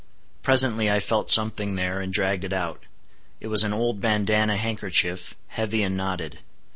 Presently I felt something there, and dragged it out. It was an old bandanna handkerchief, heavy and knotted.